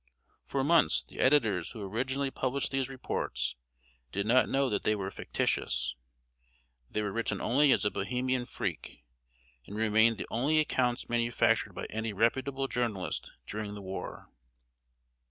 For months, the editors who originally published these reports, did not know that they were fictitious. They were written only as a Bohemian freak, and remained the only accounts manufactured by any reputable journalist during the war.